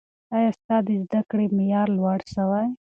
ایا ستا د زده کړې معیار لوړ سوی؟